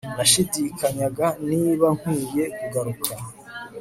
nashidikanyaga niba nkwiye kugaruka